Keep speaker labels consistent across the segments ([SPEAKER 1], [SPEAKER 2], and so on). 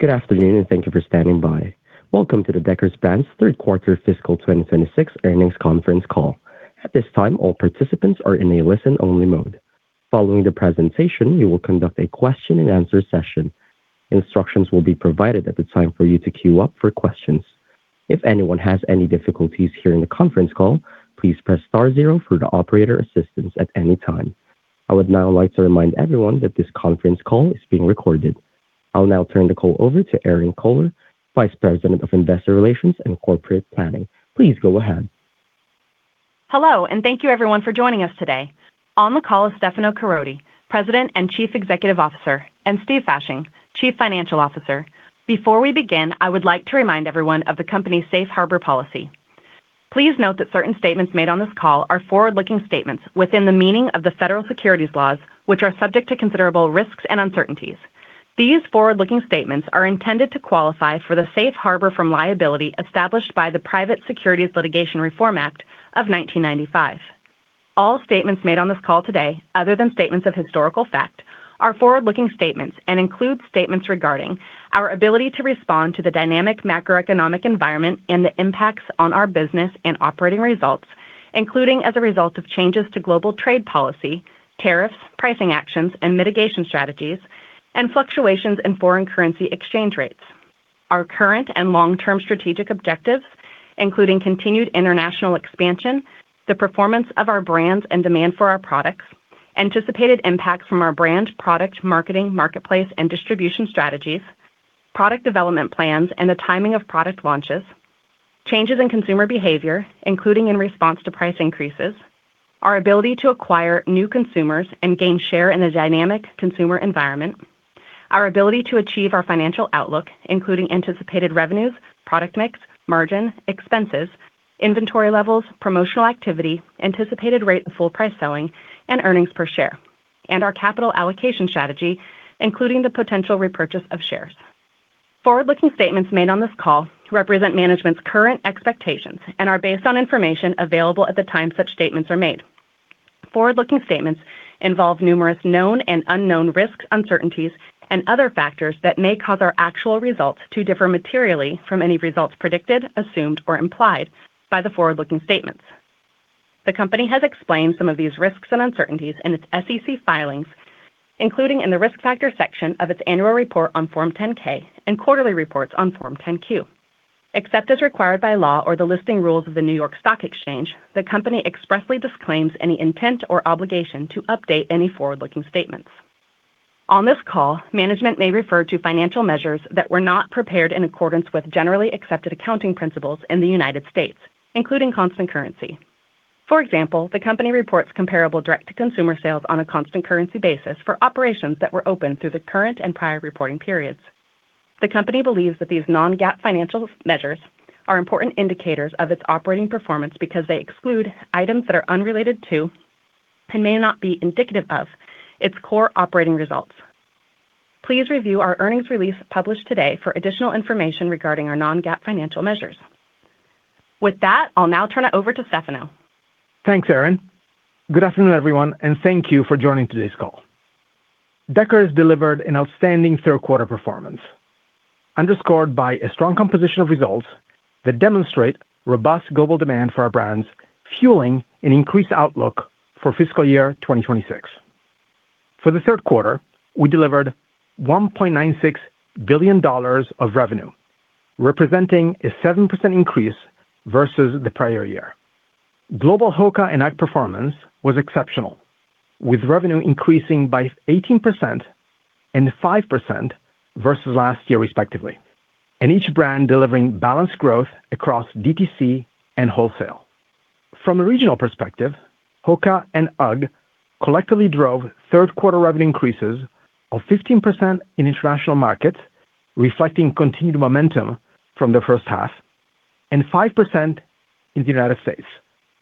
[SPEAKER 1] Good afternoon, and thank you for standing by. Welcome to the Deckers Brands third quarter fiscal 2026 earnings conference call. At this time, all participants are in a listen-only mode. Following the presentation, we will conduct a question-and-answer session. Instructions will be provided at the time for you to queue up for questions. If anyone has any difficulties hearing the conference call, please press star zero for the operator assistance at any time. I would now like to remind everyone that this conference call is being recorded. I'll now turn the call over to Erinn Kohler, Vice President of Investor Relations and Corporate Planning. Please go ahead.
[SPEAKER 2] Hello, and thank you, everyone, for joining us today. On the call is Stefano Caroti, President and Chief Executive Officer, and Steve Fasching, Chief Financial Officer. Before we begin, I would like to remind everyone of the company's safe harbor policy. Please note that certain statements made on this call are forward-looking statements within the meaning of the federal securities laws, which are subject to considerable risks and uncertainties. These forward-looking statements are intended to qualify for the safe harbor from liability established by the Private Securities Litigation Reform Act of 1995. All statements made on this call today, other than statements of historical fact, are forward-looking statements and include statements regarding our ability to respond to the dynamic macroeconomic environment and the impacts on our business and operating results, including as a result of changes to global trade policy, tariffs, pricing actions, and mitigation strategies, and fluctuations in foreign currency exchange rates. Our current and long-term strategic objectives, including continued international expansion, the performance of our brands, and demand for our products, anticipated impacts from our brand, product, marketing, marketplace, and distribution strategies, product development plans, and the timing of product launches, changes in consumer behavior, including in response to price increases, our ability to acquire new consumers and gain share in a dynamic consumer environment, our ability to achieve our financial outlook, including anticipated revenues, product mix, margin, expenses, inventory levels, promotional activity, anticipated rate and full price selling, and earnings per share, and our capital allocation strategy, including the potential repurchase of shares. Forward-looking statements made on this call represent management's current expectations and are based on information available at the time such statements are made. Forward-looking statements involve numerous known and unknown risks, uncertainties, and other factors that may cause our actual results to differ materially from any results predicted, assumed, or implied by the forward-looking statements. The Company has explained some of these risks and uncertainties in its SEC filings, including in the Risk Factors section of its annual report on Form 10-K and quarterly reports on Form 10-Q. Except as required by law or the listing rules of the New York Stock Exchange, the Company expressly disclaims any intent or obligation to update any forward-looking statements. On this call, management may refer to financial measures that were not prepared in accordance with generally accepted accounting principles in the United States, including constant currency. For example, the Company reports comparable direct-to-consumer sales on a constant currency basis for operations that were open through the current and prior reporting periods. The Company believes that these non-GAAP financial measures are important indicators of its operating performance because they exclude items that are unrelated to, and may not be indicative of, its core operating results. Please review our earnings release published today for additional information regarding our non-GAAP financial measures. With that, I'll now turn it over to Stefano.
[SPEAKER 3] Thanks, Erinn. Good afternoon, everyone, and thank you for joining today's call. Deckers delivered an outstanding third quarter performance, underscored by a strong composition of results that demonstrate robust global demand for our brands, fueling an increased outlook for fiscal year 2026. For the third quarter, we delivered $1.96 billion of revenue, representing a 7% increase versus the prior year. Global HOKA and UGG performance was exceptional, with revenue increasing by 18% and 5% versus last year, respectively, and each brand delivering balanced growth across DTC and wholesale. From a regional perspective, HOKA and UGG collectively drove third quarter revenue increases of 15% in international markets, reflecting continued momentum from the first half, and 5% in the United States,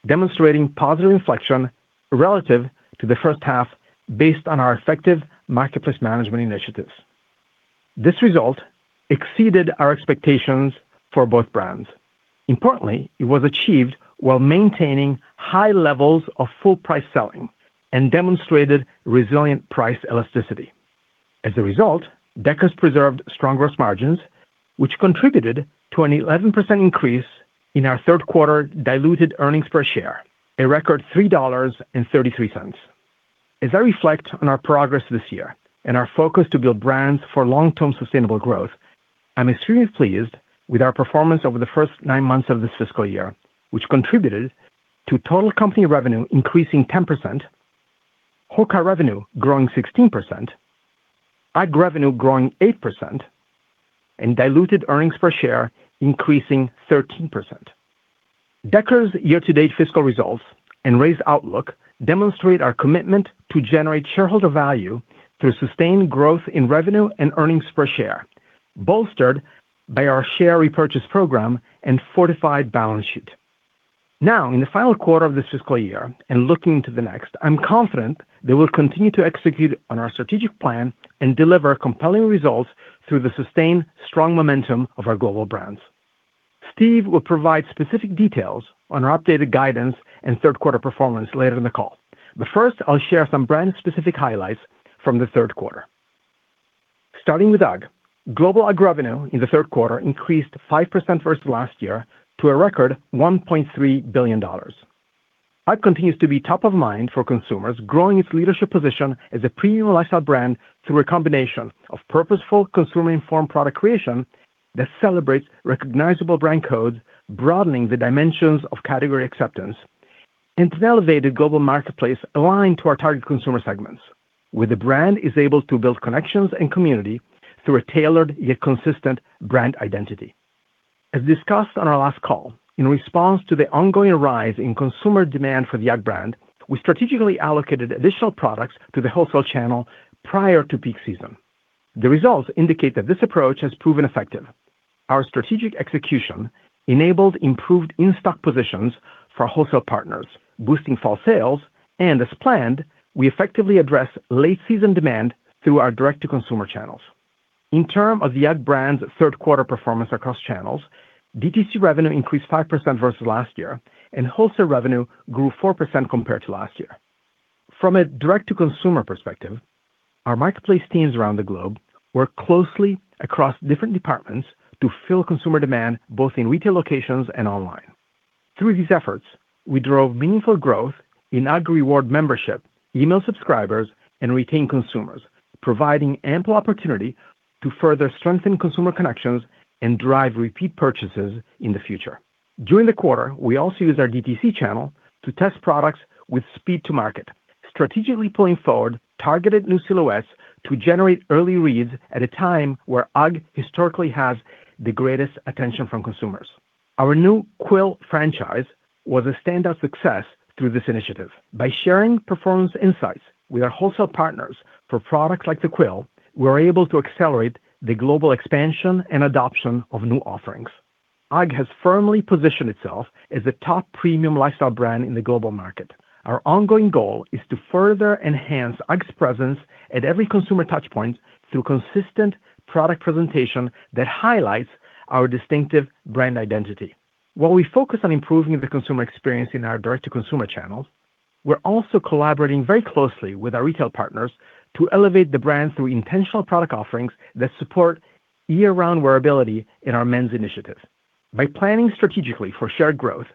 [SPEAKER 3] demonstrating positive inflection relative to the first half based on our effective marketplace management initiatives. This result exceeded our expectations for both brands. Importantly, it was achieved while maintaining high levels of full price selling and demonstrated resilient price elasticity. As a result, Deckers preserved strong gross margins, which contributed to an 11% increase in our third quarter diluted earnings per share, a record $3.33. As I reflect on our progress this year and our focus to build brands for long-term sustainable growth, I'm extremely pleased with our performance over the first 9 months of this fiscal year, which contributed to total company revenue increasing 10%, HOKA revenue growing 16%, UGG revenue growing 8%, and diluted earnings per share increasing 13%. Deckers' year-to-date fiscal results and raised outlook demonstrate our commitment to generate shareholder value through sustained growth in revenue and earnings per share, bolstered by our share repurchase program and fortified balance sheet. Now, in the final quarter of this fiscal year and looking to the next, I'm confident that we'll continue to execute on our strategic plan and deliver compelling results through the sustained strong momentum of our global brands. Steve will provide specific details on our updated guidance and third quarter performance later in the call. But first, I'll share some brand-specific highlights from the third quarter. Starting with UGG, global UGG revenue in the third quarter increased 5% versus last year to a record $1.3 billion. UGG continues to be top of mind for consumers, growing its leadership position as a premium lifestyle brand through a combination of purposeful, consumer-informed product creation that celebrates recognizable brand codes, broadening the dimensions of category acceptance into an elevated global marketplace aligned to our target consumer segments, where the brand is able to build connections and community through a tailored yet consistent brand identity. As discussed on our last call, in response to the ongoing rise in consumer demand for the UGG brand, we strategically allocated additional products to the wholesale channel prior to peak season. The results indicate that this approach has proven effective. Our strategic execution enabled improved in-stock positions for our wholesale partners, boosting fall sales, and as planned, we effectively address late-season demand through our direct-to-consumer channels. In terms of the UGG brand's third quarter performance across channels, DTC revenue increased 5% versus last year, and wholesale revenue grew 4% compared to last year. From a direct-to-consumer perspective, our marketplace teams around the globe work closely across different departments to fill consumer demand, both in retail locations and online. Through these efforts, we drove meaningful growth in UGG Reward membership, email subscribers, and retained consumers, providing ample opportunity to further strengthen consumer connections and drive repeat purchases in the future. During the quarter, we also used our DTC channel to test products with speed to market, strategically pulling forward targeted new silhouettes to generate early reads at a time where UGG historically has the greatest attention from consumers. Our new Quill franchise was a standout success through this initiative. By sharing performance insights with our wholesale partners for products like the Quill, we were able to accelerate the global expansion and adoption of new offerings. UGG has firmly positioned itself as the top premium lifestyle brand in the global market. Our ongoing goal is to further enhance UGG's presence at every consumer touchpoint through consistent product presentation that highlights our distinctive brand identity. While we focus on improving the consumer experience in our direct-to-consumer channels, we're also collaborating very closely with our retail partners to elevate the brand through intentional product offerings that support year-round wearability in our men's initiative. By planning strategically for shared growth,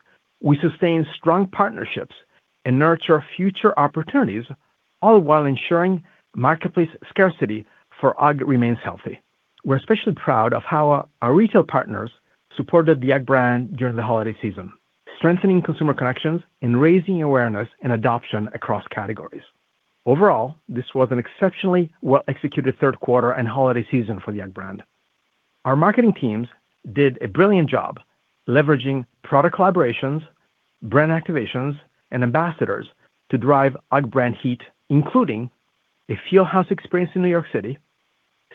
[SPEAKER 3] we sustain strong partnerships and nurture future opportunities, all while ensuring marketplace scarcity for UGG remains healthy. We're especially proud of how our retail partners supported the UGG brand during the holiday season, strengthening consumer connections and raising awareness and adoption across categories. Overall, this was an exceptionally well-executed third quarter and holiday season for the UGG brand. Our marketing teams did a brilliant job leveraging product collaborations, brand activations, and ambassadors to drive UGG brand heat, including a Feel House experience in New York City,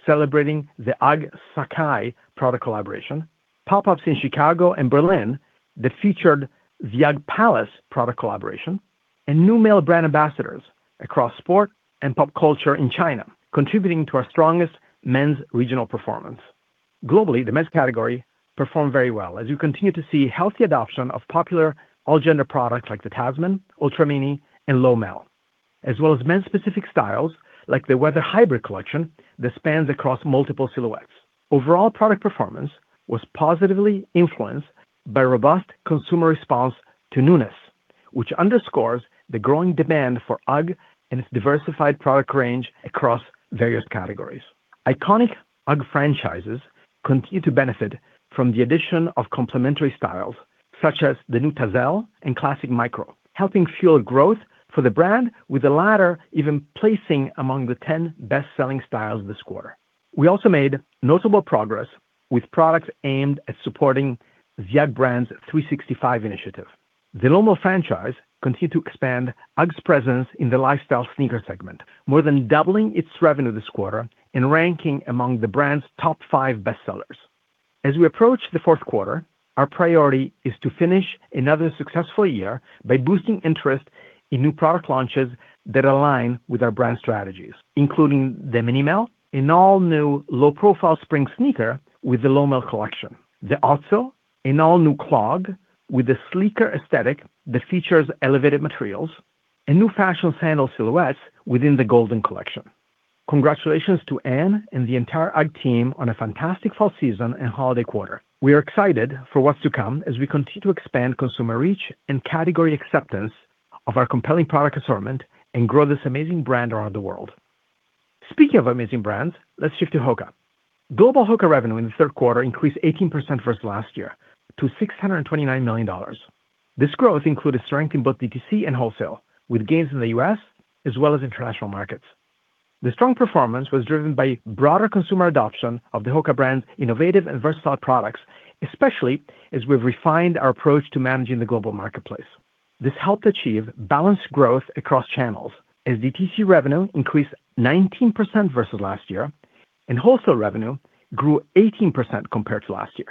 [SPEAKER 3] celebrating the UGG Sacai product collaboration, pop-ups in Chicago and Berlin that featured the UGG Palace product collaboration, and new male brand ambassadors across sport and pop culture in China, contributing to our strongest men's regional performance. Globally, the men's category performed very well as you continue to see healthy adoption of popular all-gender products like the Tasman, Ultra Mini, and Lowmel, as well as men's specific styles like the Weather Hybrid collection that spans across multiple silhouettes. Overall product performance was positively influenced by robust consumer response to newness, which underscores the growing demand for UGG and its diversified product range across various categories. Iconic UGG franchises continue to benefit from the addition of complementary styles such as the new Tazzle and Classic Micro, helping fuel growth for the brand, with the latter even placing among the 10 best-selling styles this quarter. We also made notable progress with products aimed at supporting the UGG brand's 365 initiative. The Lowmel franchise continued to expand UGG's presence in the lifestyle sneaker segment, more than doubling its revenue this quarter and ranking among the brand's top five bestsellers. As we approach the fourth quarter, our priority is to finish another successful year by boosting interest in new product launches that align with our brand strategies, including the Mini-Me, an all-new low-profile spring sneaker with the Lowmel collection, the Otzo, an all-new clog with a sleeker aesthetic that features elevated materials, and new fashion sandal silhouettes within the Golden Collection. Congratulations to Anne and the entire UGG team on a fantastic fall season and holiday quarter. We are excited for what's to come as we continue to expand consumer reach and category acceptance of our compelling product assortment and grow this amazing brand around the world. Speaking of amazing brands, let's shift to HOKA. Global HOKA revenue in the third quarter increased 18% versus last year to $629 million. This growth included strength in both DTC and wholesale, with gains in the U.S. as well as international markets. The strong performance was driven by broader consumer adoption of the HOKA brand's innovative and versatile products, especially as we've refined our approach to managing the global marketplace. This helped achieve balanced growth across channels as DTC revenue increased 19% versus last year, and wholesale revenue grew 18% compared to last year.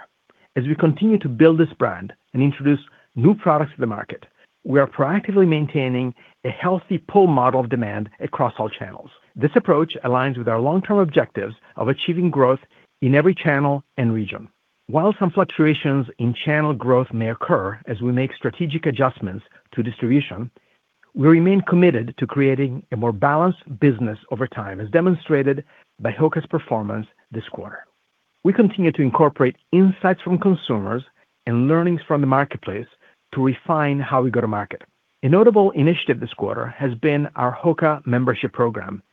[SPEAKER 3] As we continue to build this brand and introduce new products to the market, we are proactively maintaining a healthy pull model of demand across all channels. This approach aligns with our long-term objectives of achieving growth in every channel and region. While some fluctuations in channel growth may occur as we make strategic adjustments to distribution. We remain committed to creating a more balanced business over time, as demonstrated by HOKA's performance this quarter. We continue to incorporate insights from consumers and learnings from the marketplace to refine how we go to market. A notable initiative this quarter has been our HOKA membership program,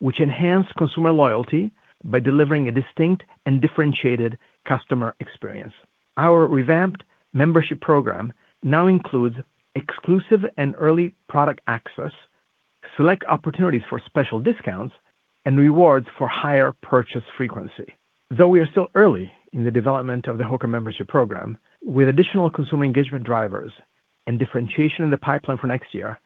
[SPEAKER 3] which enhanced consumer loyalty by delivering a distinct and differentiated customer experience. Our revamped membership program now includes exclusive and early product access, select opportunities for special discounts, and rewards for higher purchase frequency. Though we are still early in the development of the HOKA membership program, with additional consumer engagement drivers and differentiation in the pipeline for next year,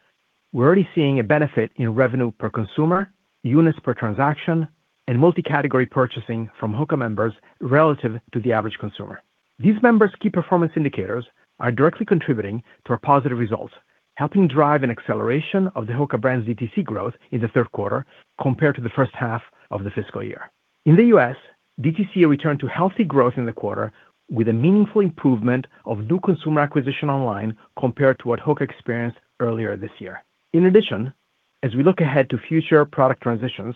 [SPEAKER 3] we're already seeing a benefit in revenue per consumer, units per transaction, and multi-category purchasing from HOKA members relative to the average consumer. These members' key performance indicators are directly contributing to our positive results, helping drive an acceleration of the HOKA brand's DTC growth in the third quarter compared to the first half of the fiscal year. In the U.S., DTC returned to healthy growth in the quarter with a meaningful improvement of new consumer acquisition online compared to what HOKA experienced earlier this year. In addition, as we look ahead to future product transitions,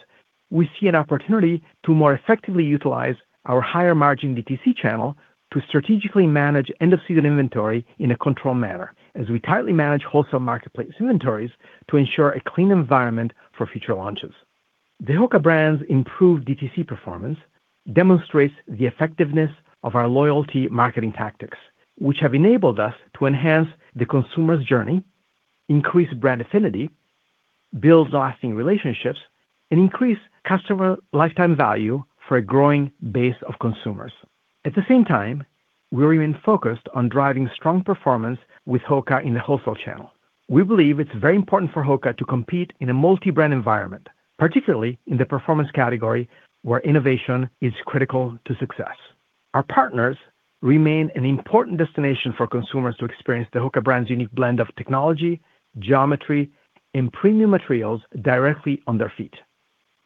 [SPEAKER 3] we see an opportunity to more effectively utilize our higher-margin DTC channel to strategically manage end-of-season inventory in a controlled manner, as we tightly manage wholesale marketplace inventories to ensure a clean environment for future launches. The HOKA brand's improved DTC performance demonstrates the effectiveness of our loyalty marketing tactics, which have enabled us to enhance the consumer's journey, increase brand affinity, build lasting relationships, and increase customer lifetime value for a growing base of consumers. At the same time, we remain focused on driving strong performance with HOKA in the wholesale channel. We believe it's very important for HOKA to compete in a multi-brand environment, particularly in the performance category, where innovation is critical to success. Our partners remain an important destination for consumers to experience the HOKA brand's unique blend of technology, geometry, and premium materials directly on their feet.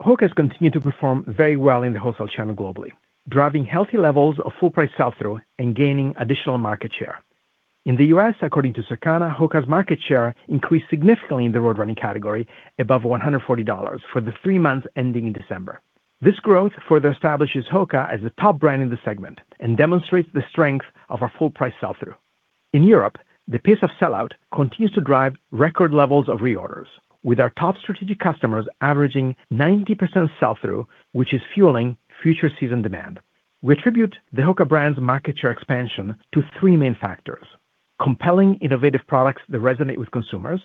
[SPEAKER 3] HOKA has continued to perform very well in the wholesale channel globally, driving healthy levels of full price sell-through and gaining additional market share. In the U.S., according to Circana, HOKA's market share increased significantly in the road running category above $140 for the three months ending in December. This growth further establishes HOKA as a top brand in the segment and demonstrates the strength of our full price sell-through. In Europe, the pace of sell-out continues to drive record levels of preorders, with our top strategic customers averaging 90% sell-through, which is fueling future season demand. We attribute the HOKA brand's market share expansion to three main factors: compelling innovative products that resonate with consumers,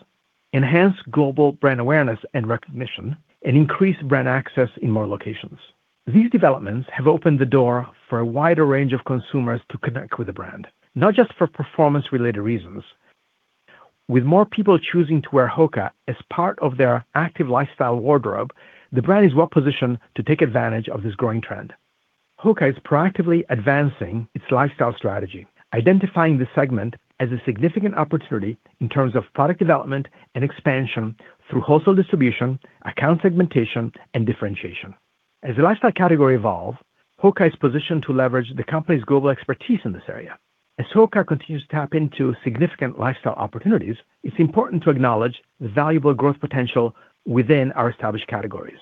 [SPEAKER 3] enhanced global brand awareness and recognition, and increased brand access in more locations. These developments have opened the door for a wider range of consumers to connect with the brand, not just for performance-related reasons. With more people choosing to wear HOKA as part of their active lifestyle wardrobe, the brand is well positioned to take advantage of this growing trend. HOKA is proactively advancing its lifestyle strategy, identifying this segment as a significant opportunity in terms of product development and expansion through wholesale distribution, account segmentation, and differentiation. As the lifestyle category evolve, HOKA is positioned to leverage the company's global expertise in this area. As HOKA continues to tap into significant lifestyle opportunities, it's important to acknowledge the valuable growth potential within our established categories.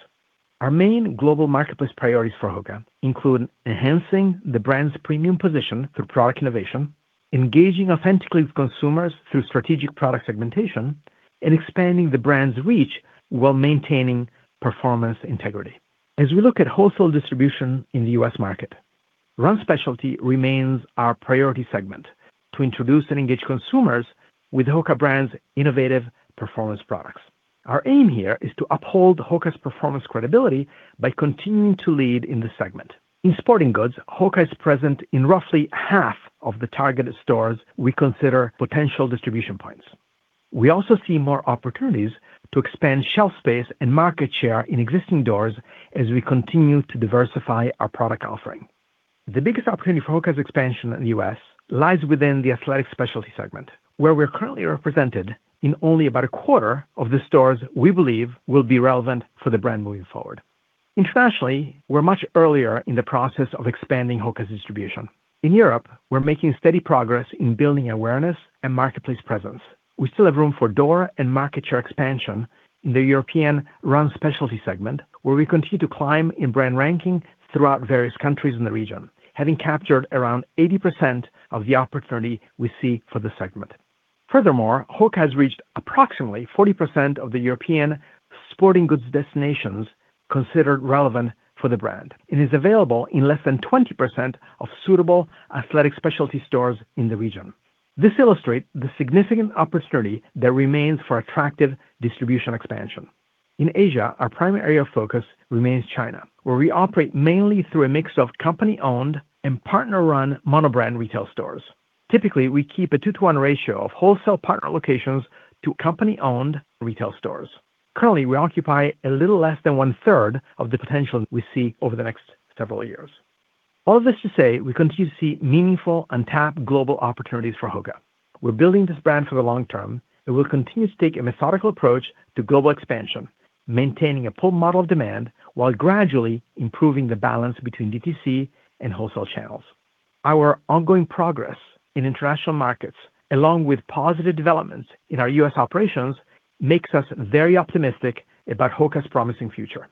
[SPEAKER 3] Our main global marketplace priorities for HOKA include enhancing the brand's premium position through product innovation, engaging authentically with consumers through strategic product segmentation, and expanding the brand's reach while maintaining performance integrity. As we look at wholesale distribution in the U.S. market, run specialty remains our priority segment to introduce and engage consumers with HOKA brand's innovative performance products. Our aim here is to uphold HOKA's performance credibility by continuing to lead in this segment. In sporting goods, HOKA is present in roughly half of the targeted stores we consider potential distribution points. We also see more opportunities to expand shelf space and market share in existing doors as we continue to diversify our product offering. The biggest opportunity for HOKA's expansion in the U.S. lies within the athletic specialty segment, where we're currently represented in only about a quarter of the stores we believe will be relevant for the brand moving forward. Internationally, we're much earlier in the process of expanding HOKA's distribution. In Europe, we're making steady progress in building awareness and marketplace presence. We still have room for door and market share expansion in the European run specialty segment, where we continue to climb in brand ranking throughout various countries in the region, having captured around 80% of the opportunity we see for the segment. Furthermore, HOKA has reached approximately 40% of the European sporting goods destinations considered relevant for the brand. It is available in less than 20% of suitable athletic specialty stores in the region. This illustrates the significant opportunity that remains for attractive distribution expansion. In Asia, our primary area of focus remains China, where we operate mainly through a mix of company-owned and partner-run mono-brand retail stores. Typically, we keep a 2-to-1 ratio of wholesale partner locations to company-owned retail stores. Currently, we occupy a little less than one-third of the potential we see over the next several years. All this to say, we continue to see meaningful untapped global opportunities for HOKA. We're building this brand for the long term, and we'll continue to take a methodical approach to global expansion, maintaining a pull model of demand while gradually improving the balance between DTC and wholesale channels. Our ongoing progress in international markets, along with positive developments in our U.S. operations, makes us very optimistic about HOKA's promising future.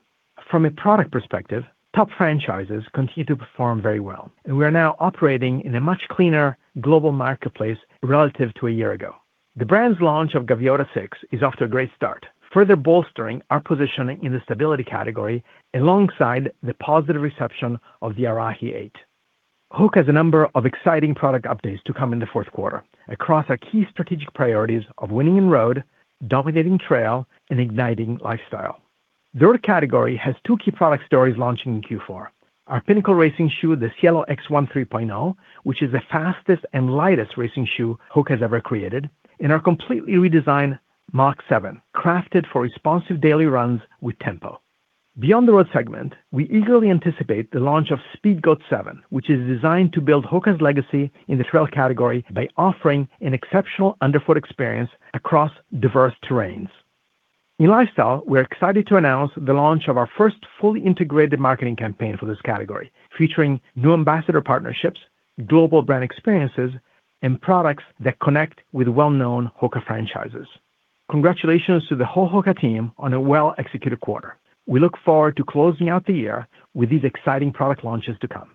[SPEAKER 3] From a product perspective, top franchises continue to perform very well, and we are now operating in a much cleaner global marketplace relative to a year ago. The brand's launch of Gaviota 6 is off to a great start, further bolstering our positioning in the stability category alongside the positive reception of the Arahi 8. HOKA has a number of exciting product updates to come in the fourth quarter across our key strategic priorities of winning in road, dominating trail, and igniting lifestyle. The road category has 2 key product stories launching in Q4. Our pinnacle racing shoe, the Cielo X1 3.0, which is the fastest and lightest racing shoe HOKA has ever created, and our completely redesigned Mach 7, crafted for responsive daily runs with tempo. Beyond the road segment, we eagerly anticipate the launch of Speedgoat 7, which is designed to build HOKA's legacy in the trail category by offering an exceptional underfoot experience across diverse terrains. In lifestyle, we're excited to announce the launch of our first fully integrated marketing campaign for this category, featuring new ambassador partnerships, global brand experiences, and products that connect with well-known HOKA franchises. Congratulations to the whole HOKA team on a well-executed quarter. We look forward to closing out the year with these exciting product launches to come.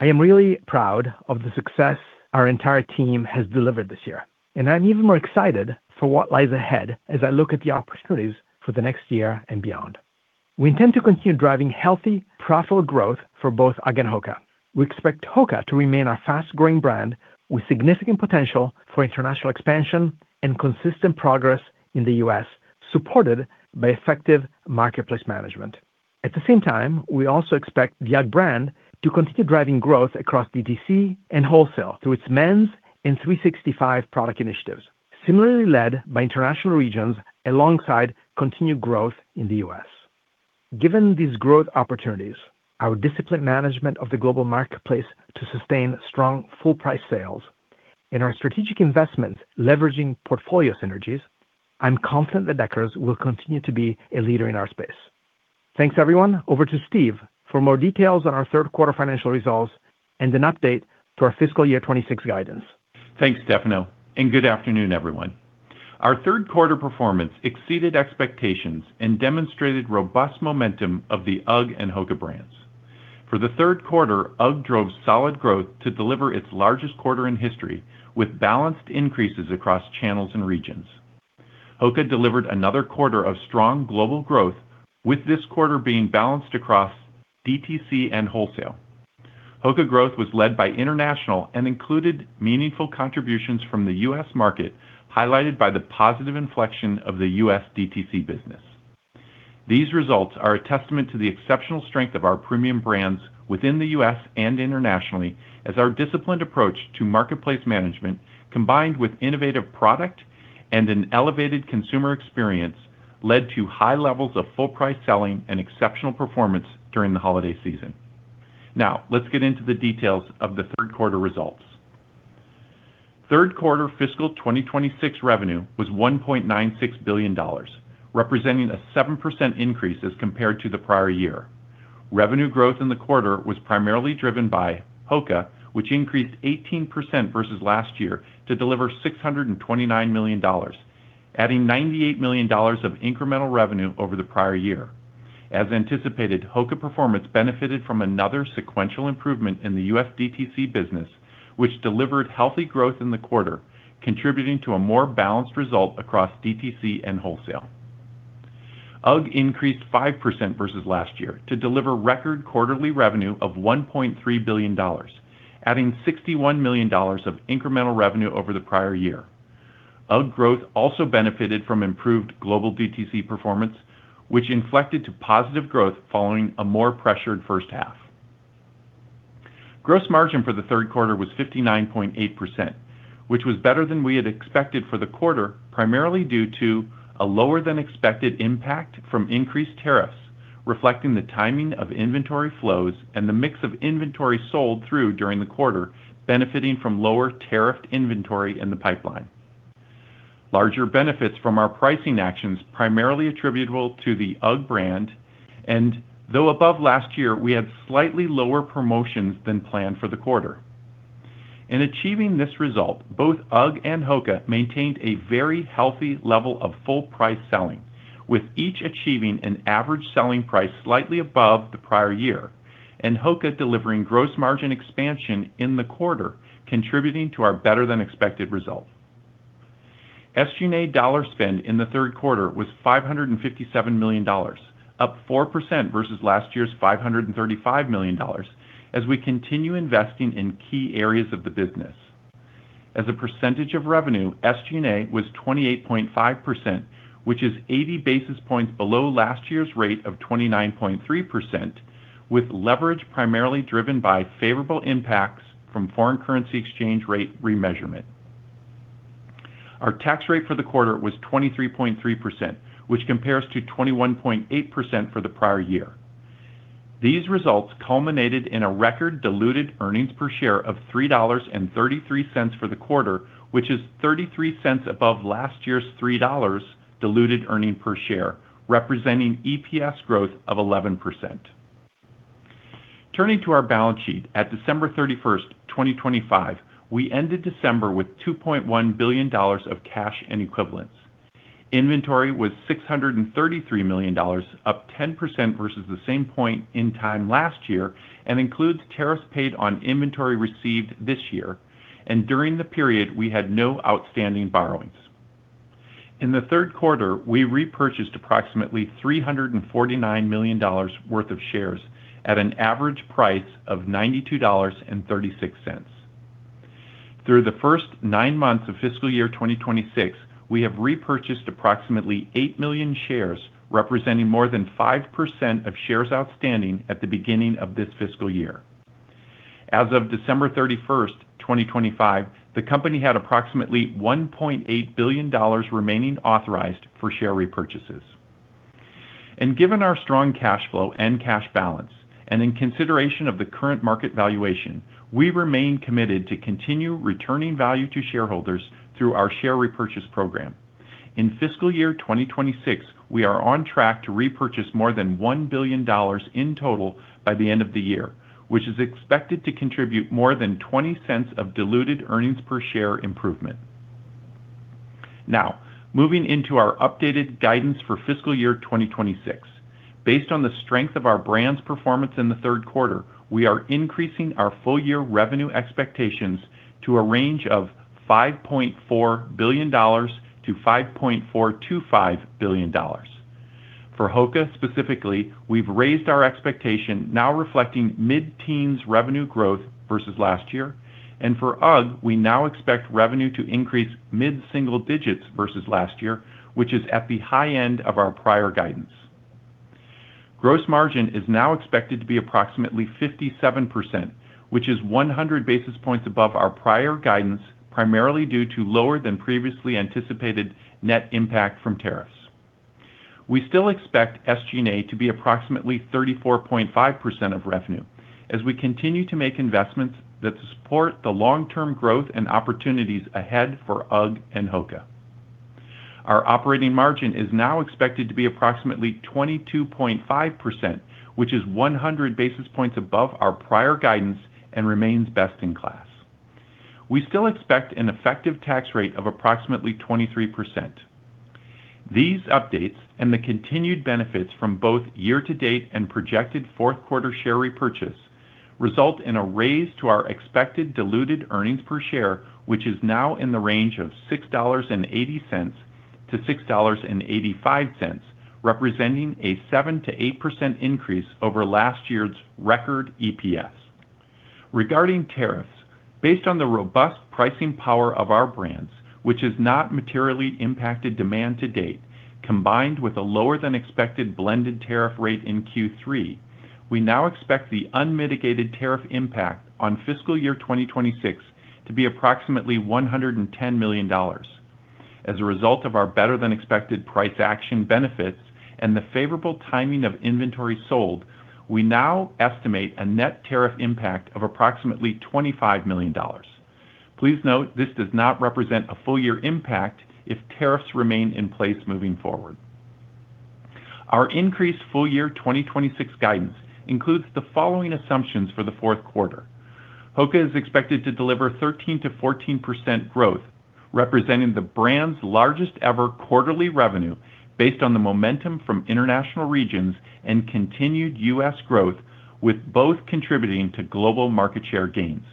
[SPEAKER 3] I am really proud of the success our entire team has delivered this year, and I'm even more excited for what lies ahead as I look at the opportunities for the next year and beyond. We intend to continue driving healthy, profitable growth for both UGG and HOKA. We expect HOKA to remain our fast-growing brand with significant potential for international expansion and consistent progress in the U.S., supported by effective marketplace management. At the same time, we also expect the UGG brand to continue driving growth across DTC and wholesale through its men's and 365 product initiatives, similarly led by international regions alongside continued growth in the U.S. Given these growth opportunities, our disciplined management of the global marketplace to sustain strong full-price sales and our strategic investments leveraging portfolio synergies, I'm confident that Deckers will continue to be a leader in our space. Thanks, everyone. Over to Steve for more details on our third quarter financial results and an update to our fiscal year 2026 guidance.
[SPEAKER 4] Thanks, Stefano, and good afternoon, everyone. Our third quarter performance exceeded expectations and demonstrated robust momentum of the UGG and HOKA brands. For the third quarter, UGG drove solid growth to deliver its largest quarter in history, with balanced increases across channels and regions. HOKA delivered another quarter of strong global growth, with this quarter being balanced across DTC and wholesale. HOKA growth was led by international and included meaningful contributions from the U.S. market, highlighted by the positive inflection of the U.S. DTC business. These results are a testament to the exceptional strength of our premium brands within the U.S. and internationally as our disciplined approach to marketplace management, combined with innovative product and an elevated consumer experience, led to high levels of full-price selling and exceptional performance during the holiday season. Now, let's get into the details of the third quarter results. Third quarter fiscal 2026 revenue was $1.96 billion, representing a 7% increase as compared to the prior year. Revenue growth in the quarter was primarily driven by HOKA, which increased 18% versus last year to deliver $629 million, adding $98 million of incremental revenue over the prior year. As anticipated, HOKA performance benefited from another sequential improvement in the U.S. DTC business, which delivered healthy growth in the quarter, contributing to a more balanced result across DTC and wholesale. UGG increased 5% versus last year to deliver record quarterly revenue of $1.3 billion, adding $61 million of incremental revenue over the prior year. UGG growth also benefited from improved global DTC performance, which inflected to positive growth following a more pressured first half. Gross margin for the third quarter was 59.8%, which was better than we had expected for the quarter, primarily due to a lower-than-expected impact from increased tariffs, reflecting the timing of inventory flows and the mix of inventory sold through during the quarter, benefiting from lower tariff inventory in the pipeline. Larger benefits from our pricing actions, primarily attributable to the UGG brand, and though above last year, we had slightly lower promotions than planned for the quarter. In achieving this result, both UGG and HOKA maintained a very healthy level of full-price selling, with each achieving an average selling price slightly above the prior year, and HOKA delivering gross margin expansion in the quarter, contributing to our better-than-expected result. SG&A dollar spend in the third quarter was $557 million, up 4% versus last year's $535 million, as we continue investing in key areas of the business. As a percentage of revenue, SG&A was 28.5%, which is 80 basis points below last year's rate of 29.3%, with leverage primarily driven by favorable impacts from foreign currency exchange rate remeasurement. Our tax rate for the quarter was 23.3%, which compares to 21.8% for the prior year. These results culminated in a record diluted earnings per share of $3.33 for the quarter, which is 33 cents above last year's $3 diluted earnings per share, representing EPS growth of 11%.... Turning to our balance sheet, at December 31, 2025, we ended December with $2.1 billion of cash and equivalents. Inventory was $633 million, up 10% versus the same point in time last year, and includes tariffs paid on inventory received this year, and during the period, we had no outstanding borrowings. In the third quarter, we repurchased approximately $349 million worth of shares at an average price of $92.36. Through the first nine months of fiscal year 2026, we have repurchased approximately 8 million shares, representing more than 5% of shares outstanding at the beginning of this fiscal year. As of December 31, 2025, the company had approximately $1.8 billion remaining authorized for share repurchases. Given our strong cash flow and cash balance, and in consideration of the current market valuation, we remain committed to continue returning value to shareholders through our share repurchase program. In fiscal year 2026, we are on track to repurchase more than $1 billion in total by the end of the year, which is expected to contribute more than $0.20 of diluted earnings per share improvement. Now, moving into our updated guidance for fiscal year 2026. Based on the strength of our brand's performance in the third quarter, we are increasing our full-year revenue expectations to a range of $5.4 billion-$5.425 billion. For HOKA, specifically, we've raised our expectation now reflecting mid-teens revenue growth versus last year, and for UGG, we now expect revenue to increase mid-single digits versus last year, which is at the high end of our prior guidance. Gross margin is now expected to be approximately 57%, which is 100 basis points above our prior guidance, primarily due to lower than previously anticipated net impact from tariffs. We still expect SG&A to be approximately 34.5% of revenue as we continue to make investments that support the long-term growth and opportunities ahead for UGG and HOKA. Our operating margin is now expected to be approximately 22.5%, which is 100 basis points above our prior guidance and remains best in class. We still expect an effective tax rate of approximately 23%. These updates and the continued benefits from both year-to-date and projected fourth quarter share repurchase result in a raise to our expected diluted earnings per share, which is now in the range of $6.80-$6.85, representing a 7%-8% increase over last year's record EPS. Regarding tariffs, based on the robust pricing power of our brands, which has not materially impacted demand to date, combined with a lower-than-expected blended tariff rate in Q3, we now expect the unmitigated tariff impact on fiscal year 2026 to be approximately $110 million. As a result of our better-than-expected price action benefits and the favorable timing of inventory sold, we now estimate a net tariff impact of approximately $25 million. Please note, this does not represent a full year impact if tariffs remain in place moving forward. Our increased full year 2026 guidance includes the following assumptions for the fourth quarter. HOKA is expected to deliver 13%-14% growth, representing the brand's largest-ever quarterly revenue based on the momentum from international regions and continued U.S. growth, with both contributing to global market share gains.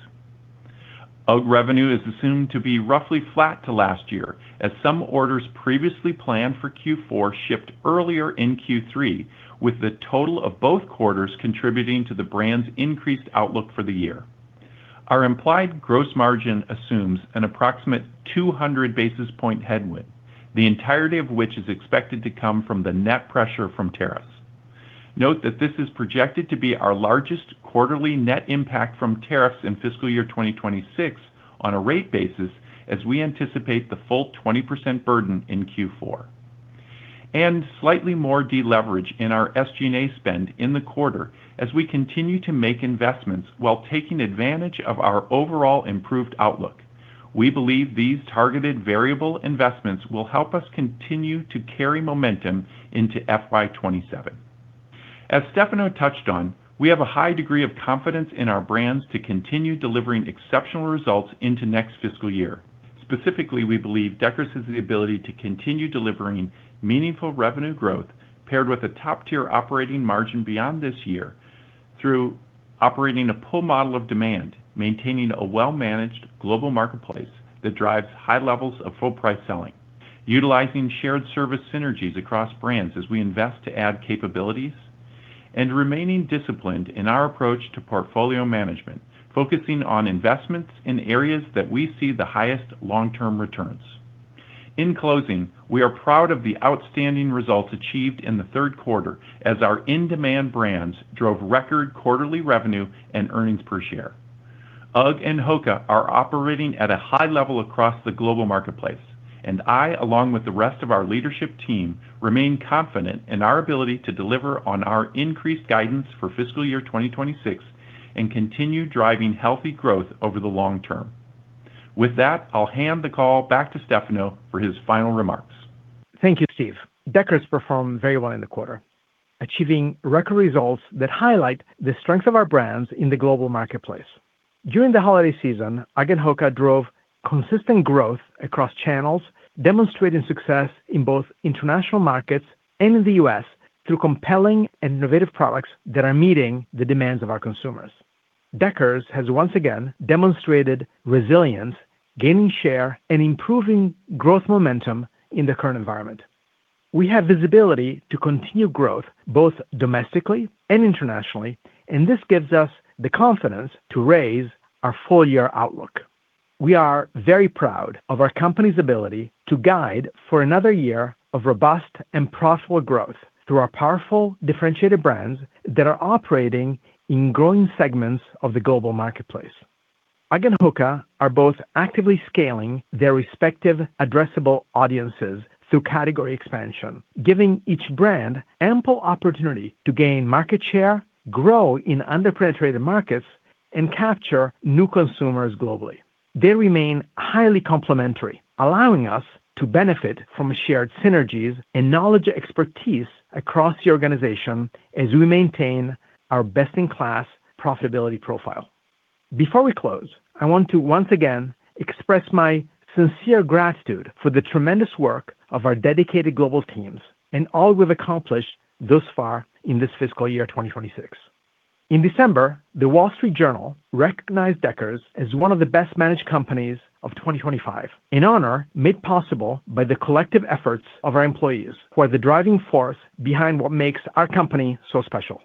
[SPEAKER 4] UGG revenue is assumed to be roughly flat to last year, as some orders previously planned for Q4 shipped earlier in Q3, with the total of both quarters contributing to the brand's increased outlook for the year. Our implied gross margin assumes an approximate 200 basis point headwind, the entirety of which is expected to come from the net pressure from tariffs. Note that this is projected to be our largest quarterly net impact from tariffs in fiscal year 2026 on a rate basis, as we anticipate the full 20% burden in Q4, and slightly more deleverage in our SG&A spend in the quarter as we continue to make investments while taking advantage of our overall improved outlook. We believe these targeted variable investments will help us continue to carry momentum into FY 2027. As Stefano touched on, we have a high degree of confidence in our brands to continue delivering exceptional results into next fiscal year. Specifically, we believe Deckers has the ability to continue delivering meaningful revenue growth, paired with a top-tier operating margin beyond this year through operating a pull model of demand, maintaining a well-managed global marketplace that drives high levels of full price selling, utilizing shared service synergies across brands as we invest to add capabilities, and remaining disciplined in our approach to portfolio management, focusing on investments in areas that we see the highest long-term returns. In closing, we are proud of the outstanding results achieved in the third quarter as our in-demand brands drove record quarterly revenue and earnings per share. UGG and HOKA are operating at a high level across the global marketplace, and I, along with the rest of our leadership team, remain confident in our ability to deliver on our increased guidance for fiscal year 2026 and continue driving healthy growth over the long term. With that, I'll hand the call back to Stefano for his final remarks.
[SPEAKER 3] Thank you, Steve. Deckers performed very well in the quarter, achieving record results that highlight the strength of our brands in the global marketplace. During the holiday season, UGG and HOKA drove consistent growth across channels, demonstrating success in both international markets and in the U.S. through compelling and innovative products that are meeting the demands of our consumers. Deckers has once again demonstrated resilience, gaining share, and improving growth momentum in the current environment. We have visibility to continue growth both domestically and internationally, and this gives us the confidence to raise our full-year outlook. We are very proud of our company's ability to guide for another year of robust and profitable growth through our powerful, differentiated brands that are operating in growing segments of the global marketplace. UGG and HOKA are both actively scaling their respective addressable audiences through category expansion, giving each brand ample opportunity to gain market share, grow in under-penetrated markets, and capture new consumers globally. They remain highly complementary, allowing us to benefit from shared synergies and knowledge expertise across the organization as we maintain our best-in-class profitability profile. Before we close, I want to once again express my sincere gratitude for the tremendous work of our dedicated global teams and all we've accomplished thus far in this fiscal year, 2026. In December, The Wall Street Journal recognized Deckers as one of the best-managed companies of 2025, an honor made possible by the collective efforts of our employees, who are the driving force behind what makes our company so special.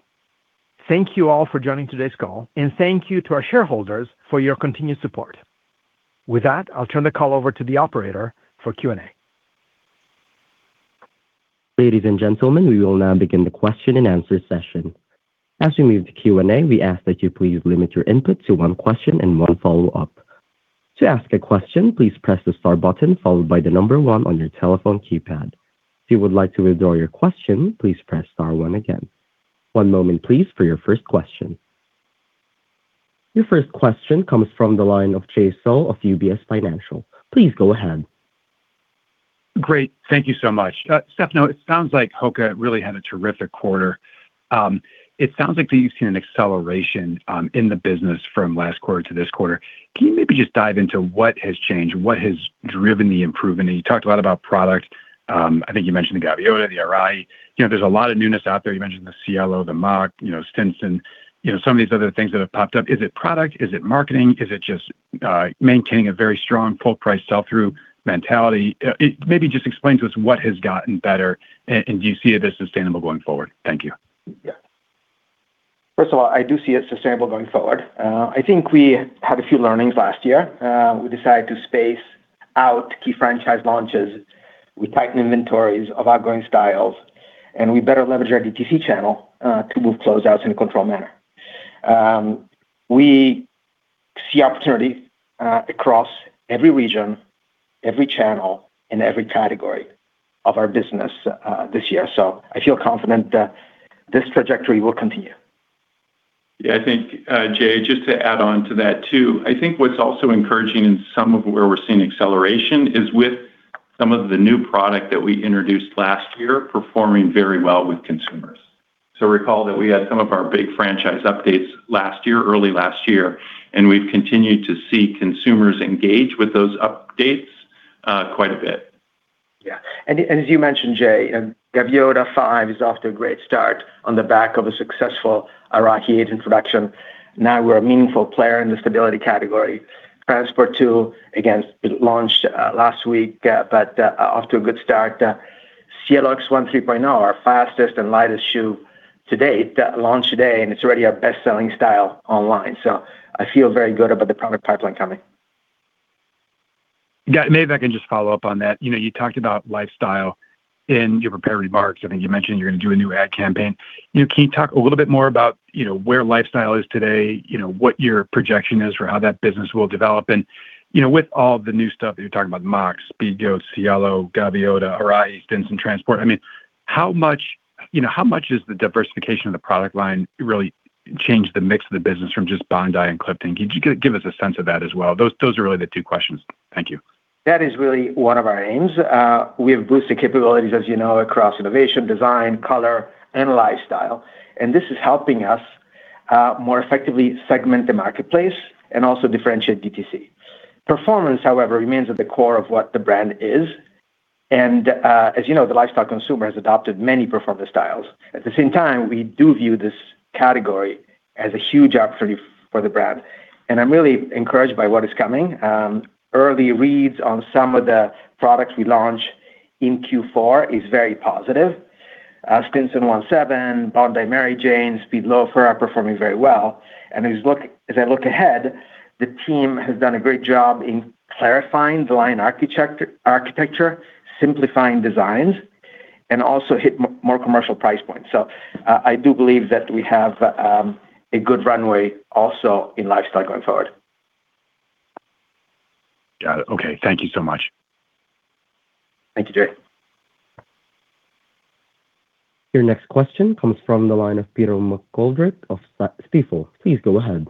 [SPEAKER 3] Thank you all for joining today's call, and thank you to our shareholders for your continued support. With that, I'll turn the call over to the operator for Q&A.
[SPEAKER 1] Ladies and gentlemen, we will now begin the question-and-answer session. As we move to Q&A, we ask that you please limit your input to one question and one follow-up. To ask a question, please press the star button followed by the number one on your telephone keypad. If you would like to withdraw your question, please press star one again. One moment, please, for your first question. Your first question comes from the line of Jay Sole of UBS Financial. Please go ahead.
[SPEAKER 5] Great. Thank you so much. Stefano, it sounds like HOKA really had a terrific quarter. It sounds like that you've seen an acceleration in the business from last quarter to this quarter. Can you maybe just dive into what has changed, what has driven the improvement? And you talked a lot about product. I think you mentioned the Gaviota, the Arahi. You know, there's a lot of newness out there. You mentioned the Cielo, the Mach, you know, Stinson, you know, some of these other things that have popped up. Is it product? Is it marketing? Is it just maintaining a very strong full-price sell-through mentality? Maybe just explain to us what has gotten better, and do you see it as sustainable going forward? Thank you.
[SPEAKER 3] Yeah. First of all, I do see it sustainable going forward. I think we had a few learnings last year. We decided to space out key franchise launches, we tightened inventories of outgoing styles, and we better leverage our DTC channel to move closeouts in a controlled manner. We see opportunity across every region, every channel, and every category of our business this year, so I feel confident that this trajectory will continue.
[SPEAKER 4] Yeah, I think, Jay, just to add on to that too, I think what's also encouraging in some of where we're seeing acceleration is with some of the new product that we introduced last year performing very well with consumers. So recall that we had some of our big franchise updates last year, early last year, and we've continued to see consumers engage with those updates, quite a bit.
[SPEAKER 3] Yeah. And as you mentioned, Jay, Gaviota 5 is off to a great start on the back of a successful Arahi 8 introduction. Now we're a meaningful player in the stability category. Transport 2, again, it launched last week, but off to a good start. Cielo X1 3.0, our fastest and lightest shoe to date, that launched today, and it's already our best-selling style online. So I feel very good about the product pipeline coming.
[SPEAKER 5] Got it. Maybe I can just follow up on that. You know, you talked about lifestyle in your prepared remarks. I think you mentioned you're going to do a new ad campaign. You know, can you talk a little bit more about, you know, where lifestyle is today, you know, what your projection is for how that business will develop? And, you know, with all the new stuff that you're talking about, Mach, Speedgoat, Cielo, Gaviota, Arahi, Stinson, Transport, I mean, how much—you know, how much does the diversification of the product line really change the mix of the business from just Bondi and Clifton? Could you give us a sense of that as well? Those, those are really the two questions. Thank you.
[SPEAKER 3] That is really one of our aims. We have boosted capabilities, as you know, across innovation, design, color, and lifestyle, and this is helping us more effectively segment the marketplace and also differentiate DTC. Performance, however, remains at the core of what the brand is, and, as you know, the lifestyle consumer has adopted many performance styles. At the same time, we do view this category as a huge opportunity for the brand, and I'm really encouraged by what is coming. Early reads on some of the products we launched in Q4 is very positive. Stinson 7, Bondi Mary Jane, Speed Loafer are performing very well. As I look ahead, the team has done a great job in clarifying the line architecture, simplifying designs, and also more commercial price points. So I do believe that we have a good runway also in lifestyle going forward.
[SPEAKER 5] Got it. Okay, thank you so much.
[SPEAKER 3] Thank you, Jay.
[SPEAKER 1] Your next question comes from the line of Peter McGoldrick of Stifel. Please go ahead.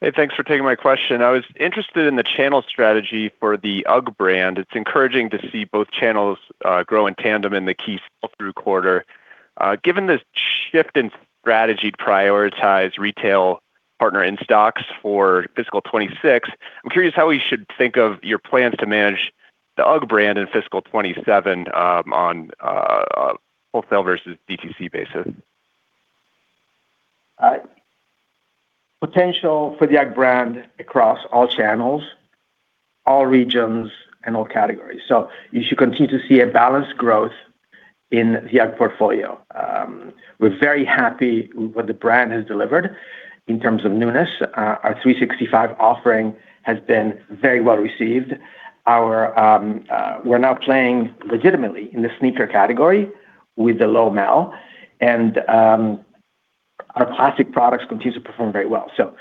[SPEAKER 6] Hey, thanks for taking my question. I was interested in the channel strategy for the UGG brand. It's encouraging to see both channels grow in tandem in the key sell-through quarter. Given this shift in strategy to prioritize retail partner in stocks for fiscal 2026, I'm curious how we should think of your plans to manage the UGG brand in fiscal 2027, on wholesale versus DTC basis.
[SPEAKER 3] Potential for the UGG brand across all channels, all regions, and all categories. So you should continue to see a balanced growth in the UGG portfolio. We're very happy with what the brand has delivered in terms of newness. Our 365 offering has been very well received. We're now playing legitimately in the sneaker category with the Lowmel, and our classic products continue to perform very well. So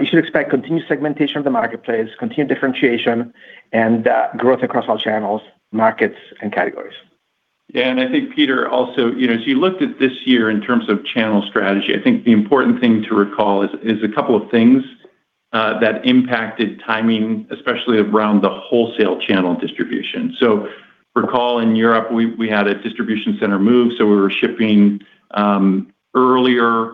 [SPEAKER 3] you should expect continued segmentation of the marketplace, continued differentiation and growth across all channels, markets, and categories.
[SPEAKER 4] Yeah, and I think Peter also, you know, as you looked at this year in terms of channel strategy, I think the important thing to recall is a couple of things that impacted timing, especially around the wholesale channel distribution. So recall, in Europe, we had a distribution center move, so we were shipping earlier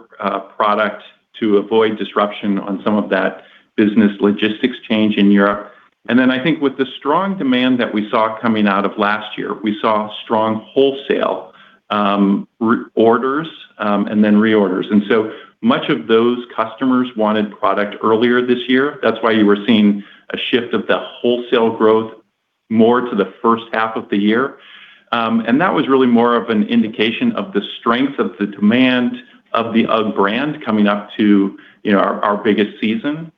[SPEAKER 4] product to avoid disruption on some of that business logistics change in Europe. And then I think with the strong demand that we saw coming out of last year, we saw strong wholesale reorders and then reorders. And so much of those customers wanted product earlier this year. That's why you were seeing a shift of the wholesale growth more to the first half of the year. And that was really more of an indication of the strength of the demand of the UGG brand coming up to, you know, our biggest season.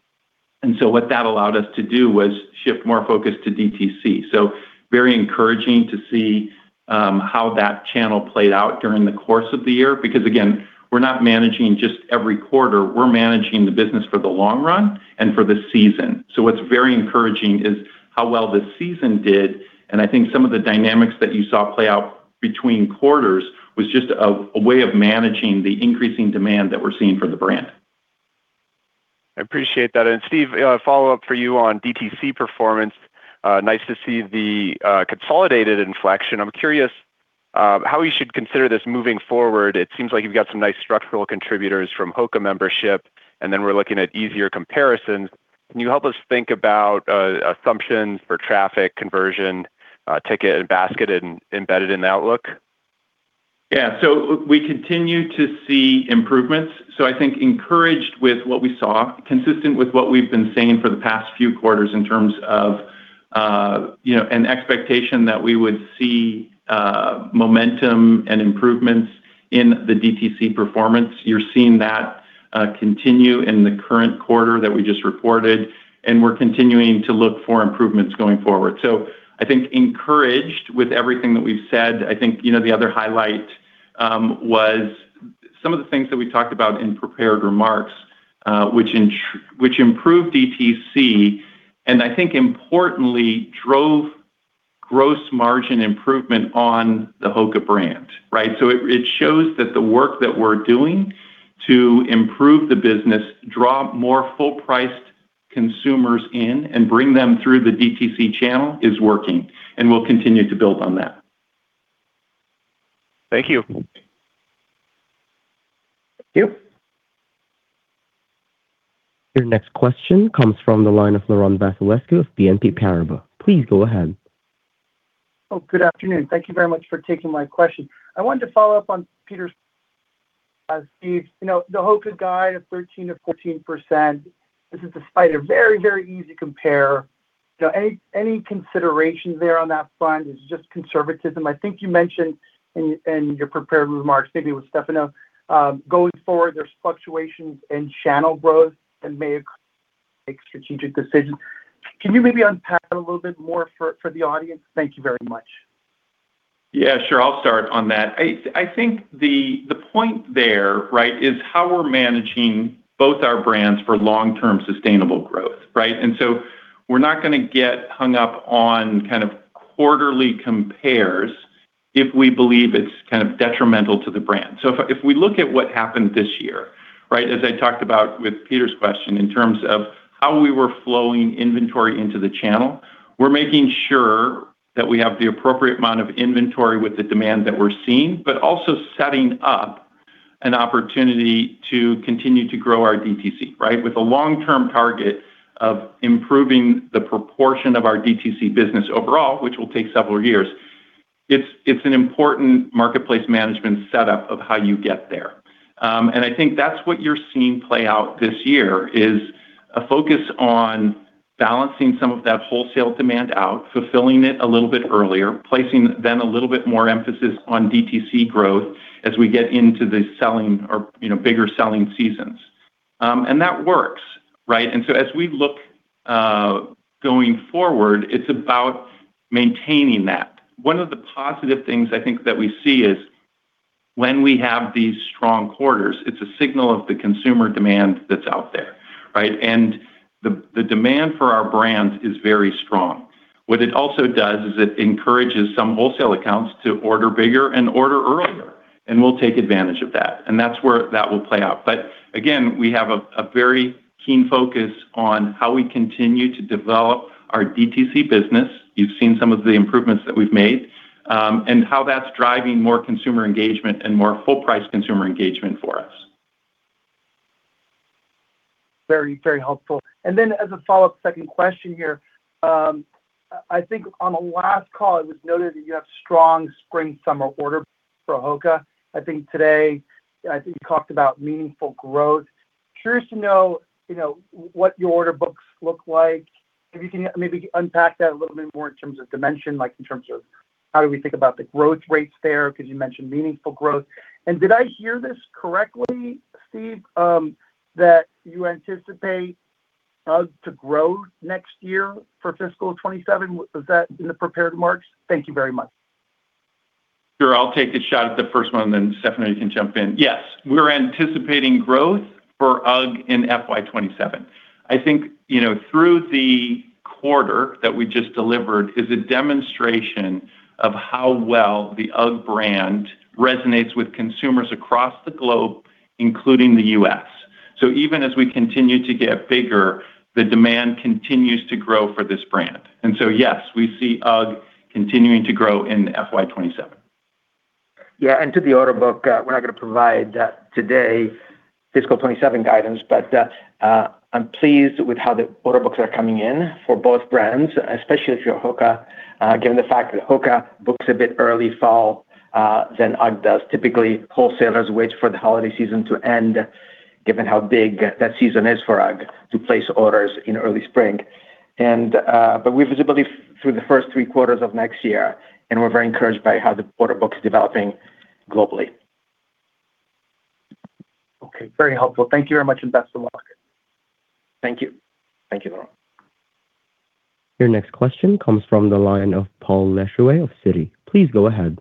[SPEAKER 4] And so what that allowed us to do was shift more focus to DTC. So very encouraging to see how that channel played out during the course of the year. Because, again, we're not managing just every quarter, we're managing the business for the long run and for the season. So what's very encouraging is how well the season did, and I think some of the dynamics that you saw play out between quarters was just a way of managing the increasing demand that we're seeing for the brand.
[SPEAKER 6] I appreciate that. And Steve, a follow-up for you on DTC performance. Nice to see the consolidated inflection. I'm curious how we should consider this moving forward. It seems like you've got some nice structural contributors from HOKA membership, and then we're looking at easier comparisons. Can you help us think about assumptions for traffic conversion, ticket and basket and embedded in the outlook?
[SPEAKER 4] Yeah. So we continue to see improvements. So I think encouraged with what we saw, consistent with what we've been saying for the past few quarters in terms of, you know, an expectation that we would see, momentum and improvements in the DTC performance. You're seeing that, continue in the current quarter that we just reported, and we're continuing to look for improvements going forward. So I think encouraged with everything that we've said. I think, you know, the other highlight, was some of the things that we talked about in prepared remarks, which improved DTC and I think importantly drove Gross Margin improvement on the HOKA brand, right? So it shows that the work that we're doing to improve the business, draw more full priced consumers in, and bring them through the DTC channel is working, and we'll continue to build on that.
[SPEAKER 6] Thank you.
[SPEAKER 3] Thank you.
[SPEAKER 1] Your next question comes from the line of Laurent Vasilescu of BNP Paribas. Please go ahead.
[SPEAKER 7] Oh, good afternoon. Thank you very much for taking my question. I wanted to follow up on Peter... Steve, you know, the HOKA guide of 13%-14%, this is despite a very, very easy compare. You know, any, any considerations there on that front is just conservatism. I think you mentioned in your prepared remarks, maybe with Stefano, going forward, there's fluctuations in channel growth that may occur strategic decisions. Can you maybe unpack a little bit more for the audience? Thank you very much.
[SPEAKER 4] Yeah, sure. I'll start on that. I think the point there, right, is how we're managing both our brands for long-term sustainable growth, right? And so we're not gonna get hung up on kind of quarterly compares if we believe it's kind of detrimental to the brand. So if we look at what happened this year, right? As I talked about with Peter's question, in terms of how we were flowing inventory into the channel, we're making sure that we have the appropriate amount of inventory with the demand that we're seeing, but also setting up an opportunity to continue to grow our DTC, right? With a long-term target of improving the proportion of our DTC business overall, which will take several years. It's an important marketplace management setup of how you get there. And I think that's what you're seeing play out this year, is a focus on balancing some of that wholesale demand out, fulfilling it a little bit earlier, placing then a little bit more emphasis on DTC growth as we get into the selling or, you know, bigger selling seasons. And that works, right? And so as we look going forward, it's about maintaining that. One of the positive things I think that we see is when we have these strong quarters, it's a signal of the consumer demand that's out there, right? And the demand for our brands is very strong. What it also does is it encourages some wholesale accounts to order bigger and order earlier, and we'll take advantage of that, and that's where that will play out. But again, we have a very keen focus on how we continue to develop our DTC business. You've seen some of the improvements that we've made, and how that's driving more consumer engagement and more full price consumer engagement for us.
[SPEAKER 7] Very, very helpful. And then as a follow-up second question here, I think on the last call, it was noted that you have strong spring, summer order for HOKA. I think today, I think you talked about meaningful growth. Curious to know, you know, what your order books look like. If you can maybe unpack that a little bit more in terms of dimension, like in terms of how do we think about the growth rates there? Because you mentioned meaningful growth. And did I hear this correctly, Steve, that you anticipate UGG to grow next year for fiscal 2027? Was that in the prepared remarks? Thank you very much.
[SPEAKER 4] Sure. I'll take a shot at the first one, and then Stefano, you can jump in. Yes, we're anticipating growth for UGG in FY 2027. I think, you know, through the quarter that we just delivered is a demonstration of how well the UGG brand resonates with consumers across the globe, including the U.S. So even as we continue to get bigger, the demand continues to grow for this brand. And so, yes, we see UGG continuing to grow in FY 2027.
[SPEAKER 3] Yeah, and to the order book, we're not gonna provide that today, fiscal 2027 guidance, but I'm pleased with how the order books are coming in for both brands, especially if you're HOKA, given the fact that HOKA books a bit early for fall than UGG does. Typically, wholesalers wait for the holiday season to end, given how big that season is for UGG to place orders in early spring. But we have visibility through the first three quarters of next year, and we're very encouraged by how the order book is developing globally.
[SPEAKER 7] Okay, very helpful. Thank you very much, and best of luck.
[SPEAKER 3] Thank you. Thank you, Laurent.
[SPEAKER 1] Your next question comes from the line of Paul Lejuez of Citi. Please go ahead.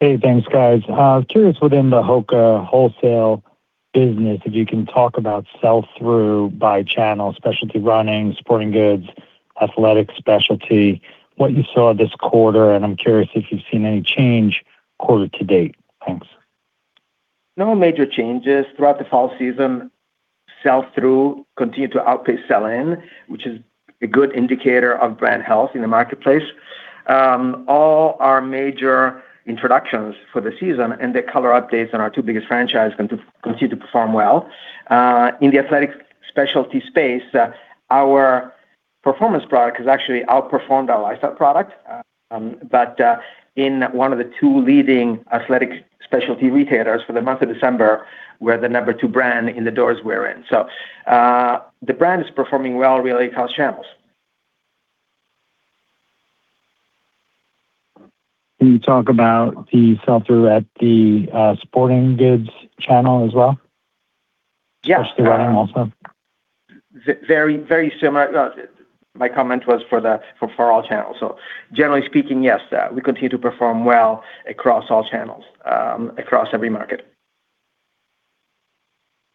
[SPEAKER 8] Hey, thanks, guys. Curious within the HOKA wholesale business, if you can talk about sell-through by channel, specialty running, sporting goods, athletic specialty, what you saw this quarter, and I'm curious if you've seen any change quarter to date? Thanks.
[SPEAKER 3] No major changes. Throughout the fall season, sell-through continued to outpace sell-in, which is a good indicator of brand health in the marketplace. All our major introductions for the season and the color updates on our two biggest franchises continue to perform well. In the athletic specialty space, our performance product has actually outperformed our lifestyle product, but in one of the two leading athletic specialty retailers for the month of December, we're the number two brand in the doors we're in. So, the brand is performing well really across channels.
[SPEAKER 8] Can you talk about the sell-through at the sporting goods channel as well?
[SPEAKER 3] Yes.
[SPEAKER 8] Also?
[SPEAKER 3] Very, very similar. My comment was for all channels. So generally speaking, yes, we continue to perform well across all channels, across every market.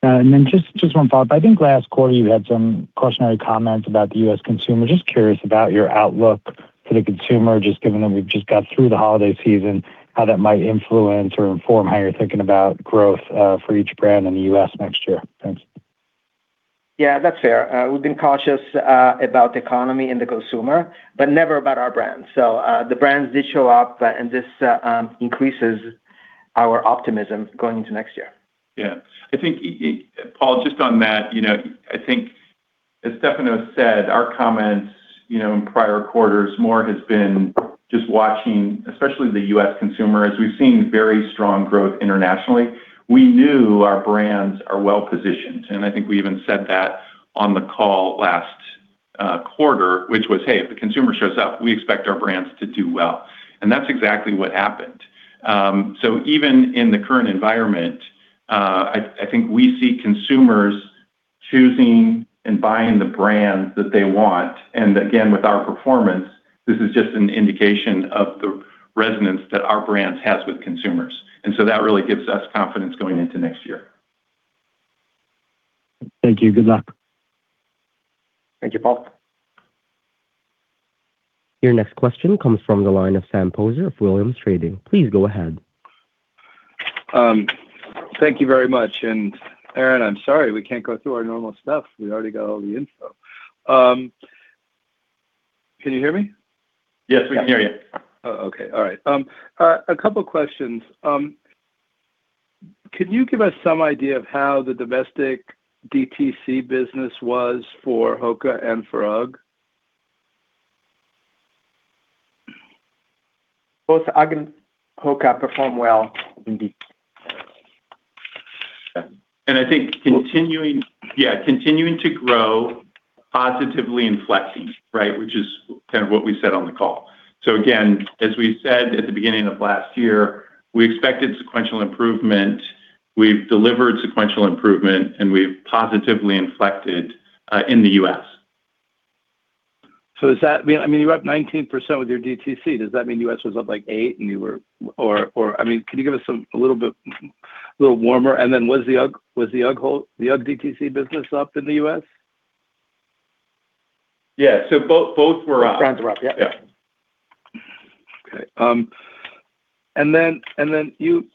[SPEAKER 8] And then just, just one thought. I think last quarter you had some cautionary comments about the U.S. consumer. Just curious about your outlook for the consumer, just given that we've just got through the holiday season, how that might influence or inform how you're thinking about growth, for each brand in the U.S. next year? Thanks.
[SPEAKER 3] Yeah, that's fair. We've been cautious about the economy and the consumer, but never about our brands. So, the brands did show up, and this increases our optimism going into next year.
[SPEAKER 4] Yeah. I think, Paul, just on that, you know, I think as Stefano said, our comments, you know, in prior quarters more has been just watching, especially the U.S. consumer, as we've seen very strong growth internationally. We knew our brands are well-positioned, and I think we even said that on the call last quarter, which was, "Hey, if the consumer shows up, we expect our brands to do well." And that's exactly what happened. So even in the current environment, I think we see consumers choosing and buying the brands that they want. And again, with our performance, this is just an indication of the resonance that our brands has with consumers. And so that really gives us confidence going into next year.
[SPEAKER 8] Thank you. Good luck.
[SPEAKER 3] Thank you, Paul.
[SPEAKER 1] Your next question comes from the line of Sam Poser of Williams Trading. Please go ahead.
[SPEAKER 9] Thank you very much. Erinn, I'm sorry we can't go through our normal stuff. We already got all the info. Can you hear me?
[SPEAKER 4] Yes, we can hear you.
[SPEAKER 9] Oh, okay. All right. A couple questions. Can you give us some idea of how the domestic DTC business was for HOKA and for UGG?
[SPEAKER 3] Both UGG and HOKA performed well indeed.
[SPEAKER 4] I think continuing to grow positively and flexing, right, which is kind of what we said on the call. So again, as we said at the beginning of last year, we expected sequential improvement, we've delivered sequential improvement, and we've positively inflected in the U.S.
[SPEAKER 9] So is that, I mean, you're up 19% with your DTC. Does that mean U.S. was up, like, 8, and you were-- or, or, I mean, can you give us some, a little bit, little warmer? And then was the UGG, was the UGG wholesale, the UGG DTC business up in the U.S.?
[SPEAKER 4] Yeah. So both, both were up.
[SPEAKER 3] Both brands were up.
[SPEAKER 9] Okay. And then you,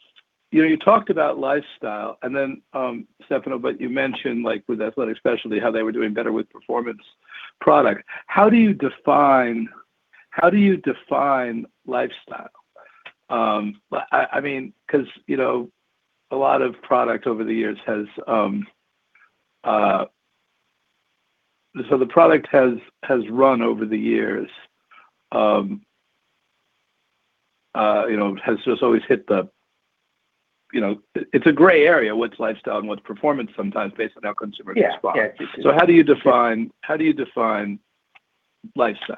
[SPEAKER 9] you know, you talked about lifestyle, and then, Stefano, but you mentioned, like, with athletic specialty, how they were doing better with performance product. How do you define, how do you define lifestyle? But I, I mean, 'cause, you know. So the product has, has run over the years, you know, has just always hit the, you know, it's a gray area, what's lifestyle and what's performance sometimes based on how consumers respond. How do you define lifestyle?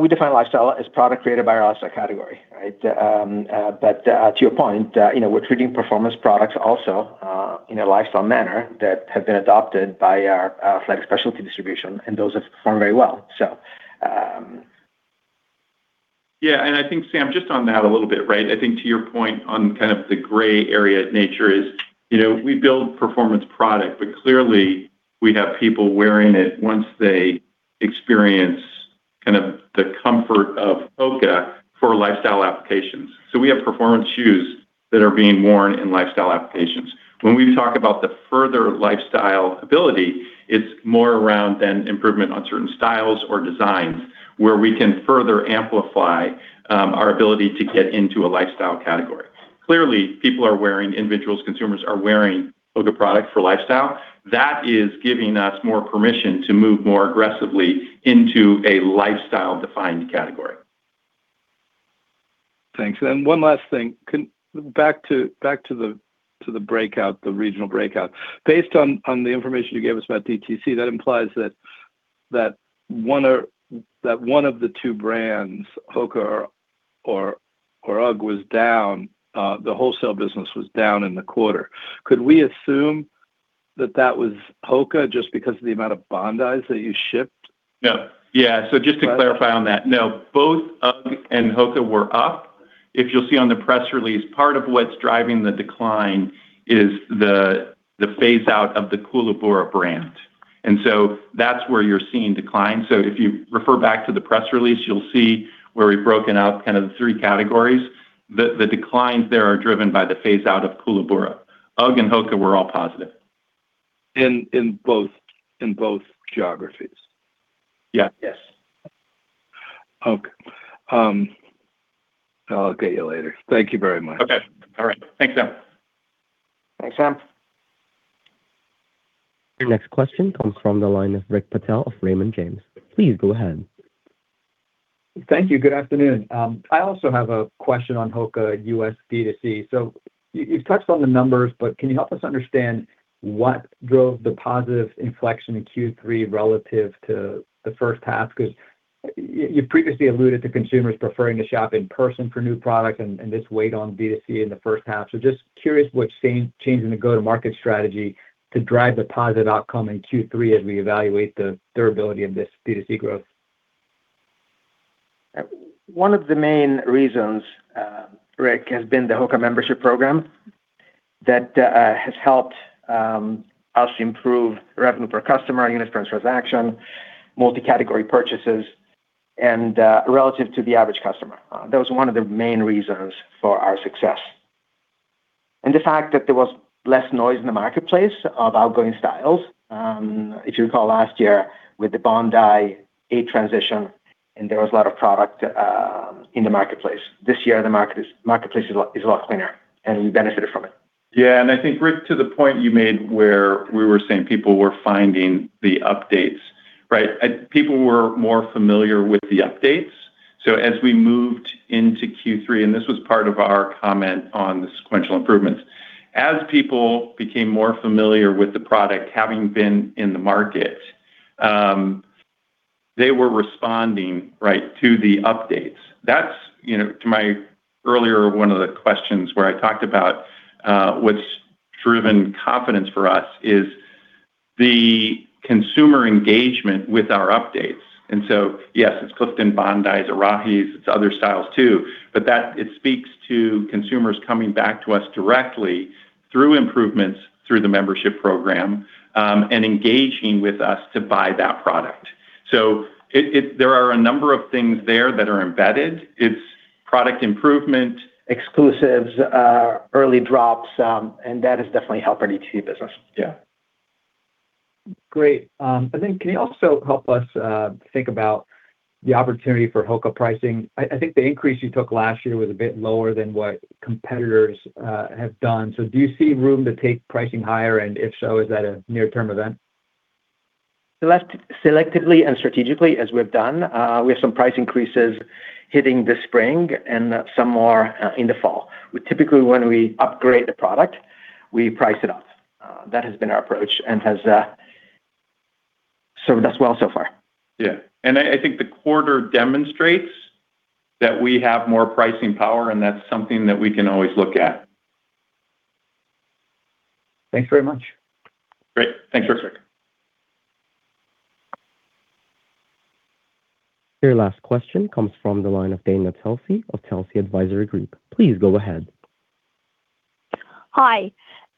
[SPEAKER 3] We define lifestyle as product created by our lifestyle category, right? But to your point, you know, we're treating performance products also in a lifestyle manner that have been adopted by our athletic specialty distribution, and those have performed very well. So
[SPEAKER 4] Yeah, and I think, Sam, just on that a little bit, right? I think to your point on kind of the gray area nature is, you know, we build performance product, but clearly we have people wearing it once they experience kind of the comfort of HOKA for lifestyle applications. So we have performance shoes that are being worn in lifestyle applications. When we talk about the further lifestyle ability, it's more around an improvement on certain styles or designs, where we can further amplify our ability to get into a lifestyle category. Clearly, people are wearing it. Individuals, consumers are wearing HOKA product for lifestyle. That is giving us more permission to move more aggressively into a lifestyle-defined category.
[SPEAKER 9] Thanks. And one last thing. Back to the breakout, the regional breakout. Based on the information you gave us about DTC, that implies that one of the two brands, HOKA or UGG, was down, the wholesale business was down in the quarter. Could we assume that that was HOKA just because of the amount of Bondis that you shipped?
[SPEAKER 4] No. Yeah, so just to clarify on that, no, both UGG and HOKA were up. If you'll see on the press release, part of what's driving the decline is the pace of the Koolaburra brand, and so that's where you're seeing decline. So if you refer back to the press release, you'll see where we've broken out kind of the three categories. The declines there are driven by the phase out of Koolaburra. UGG and HOKA were all positive.
[SPEAKER 9] In both geographies?
[SPEAKER 3] Yes.
[SPEAKER 9] Okay. I'll get you later. Thank you very much.
[SPEAKER 4] Okay. All right. Thanks, Sam.
[SPEAKER 3] Thanks, Sam.
[SPEAKER 1] Your next question comes from the line of Rick Patel of Raymond James. Please go ahead.
[SPEAKER 10] Thank you. Good afternoon. I also have a question on HOKA U.S. D2C. So you've touched on the numbers, but can you help us understand what drove the positive inflection in Q3 relative to the first half? Because you've previously alluded to consumers preferring to shop in person for new product and this weighed on D2C in the first half. So just curious what's changed, changing the go-to-market strategy to drive the positive outcome in Q3 as we evaluate the durability of this D2C growth.
[SPEAKER 3] One of the main reasons, Rick, has been the HOKA membership program that has helped us improve revenue per customer, units per transaction, multi-category purchases and relative to the average customer. That was one of the main reasons for our success. And the fact that there was less noise in the marketplace of outgoing styles. If you recall last year with the Bondi 8 transition, and there was a lot of product in the marketplace. This year, the marketplace is a lot, is a lot cleaner, and we benefited from it.
[SPEAKER 4] Yeah, and I think, Rick, to the point you made where we were saying people were finding the updates, right? People were more familiar with the updates. So as we moved into Q3, and this was part of our comment on the sequential improvements, as people became more familiar with the product having been in the market, they were responding, right, to the updates. That's, you know, to my earlier one of the questions where I talked about, what's driven confidence for us is the consumer engagement with our updates. And so, yes, it's Clifton, Bondi, Arahi, it's other styles too, but that- it speaks to consumers coming back to us directly through improvements, through the membership program, and engaging with us to buy that product. So it, it... there are a number of things there that are embedded. It's product improvement-
[SPEAKER 3] Exclusives, early drops, and that has definitely helped our DTC business.
[SPEAKER 10] Great. And then can you also help us think about the opportunity for HOKA pricing? I think the increase you took last year was a bit lower than what competitors have done. So do you see room to take pricing higher? And if so, is that a near-term event?
[SPEAKER 3] Selectively and strategically as we've done, we have some price increases hitting this spring and some more in the fall. Typically, when we upgrade the product, we price it up. That has been our approach and has served us well so far.
[SPEAKER 4] Yeah. I think the quarter demonstrates that we have more pricing power, and that's something that we can always look at.
[SPEAKER 10] Thanks very much.
[SPEAKER 4] Great. Thanks, Rick.
[SPEAKER 1] Your last question comes from the line of Dana Telsey of Telsey Advisory Group. Please go ahead.
[SPEAKER 11] Hi.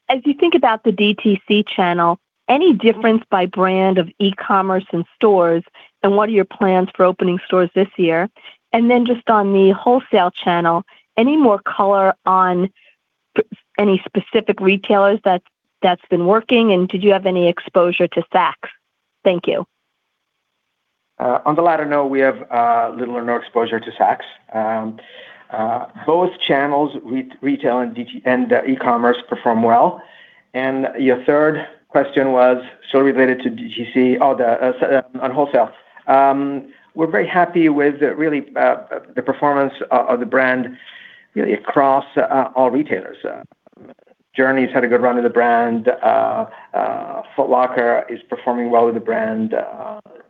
[SPEAKER 11] As you think about the DTC channel, any difference by brand of e-commerce in stores, and what are your plans for opening stores this year? And then just on the wholesale channel, any more color on any specific retailers that's been working, and did you have any exposure to Saks? Thank you.
[SPEAKER 3] On the latter, no, we have little or no exposure to Saks. Both channels, retail and DTC and e-commerce perform well. And your third question was so related to DTC. Oh, the one on wholesale. We're very happy with really the performance of the brand really across all retailers. Journeys had a good run of the brand. Foot Locker is performing well with the brand.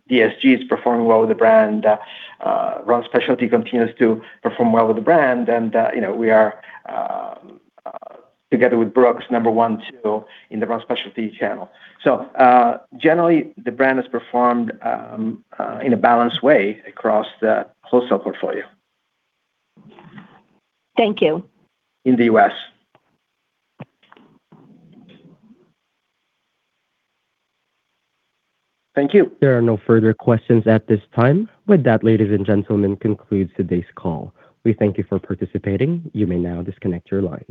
[SPEAKER 3] DSG is performing well with the brand. run specialty continues to perform well with the brand, and you know, we are together with Brooks, number one, two in the run specialty channel. So, generally, the brand has performed in a balanced way across the wholesale portfolio.
[SPEAKER 11] Thank you.
[SPEAKER 3] In the U.S. Thank you.
[SPEAKER 1] There are no further questions at this time. With that, ladies and gentlemen, concludes today's call. We thank you for participating. You may now disconnect your lines.